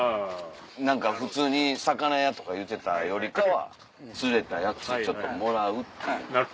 何か普通に魚屋とか言うてたよりかは釣れたやつちょっともらうっていう。